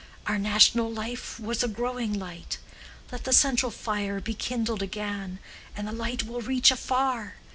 Our national life was a growing light. Let the central fire be kindled again, and the light will reach afar.